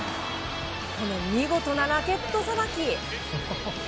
この見事なラケットさばき。